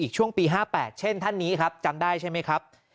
ช่วงปี๕๘เช่นท่านนี้ครับจำได้ใช่ไหมครับ